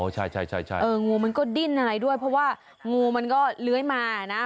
ใช่งูมันก็ดิ้นอะไรด้วยเพราะว่างูมันก็เลื้อยมานะ